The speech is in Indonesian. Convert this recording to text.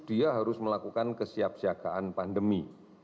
dia harus melakukan kesiapsiagaan pandemi